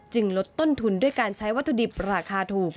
ลดต้นทุนด้วยการใช้วัตถุดิบราคาถูก